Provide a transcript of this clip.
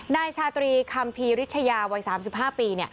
นายชาตรีคัมภีริชยาวัย๓๕ปี